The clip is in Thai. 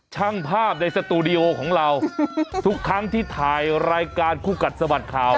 ช่างภาพในสตูดิโอของเราทุกครั้งที่ถ่ายรายการคู่กัดสะบัดข่าว